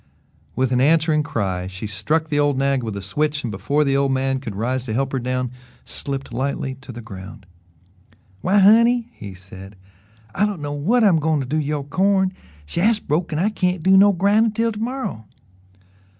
With an answering cry, she struck the old nag with a switch and before the old man could rise to help her down, slipped lightly to the ground. "Why, honey," he said, "I don't know whut I'm goin' to do 'bout yo' corn. Shaft's broke an' I can't do no grindin' till to morrow."